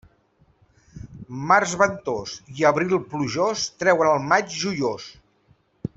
Març ventós i abril plujós treuen el maig joiós.